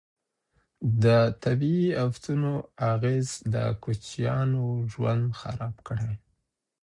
د طبیعي افتونو اغیز د کوچیانو ژوند خراب کړی.